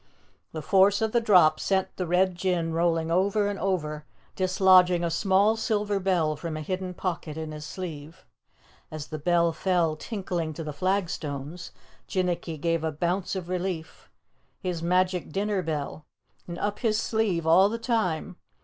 The force of the drop sent the Red Jinn rolling over and over, dislodging a small silver bell from a hidden pocket in his sleeve. As the bell fell tinkling to the flagstones, Jinnicky gave a bounce of relief. His magic dinner bell, and up his sleeve all the time!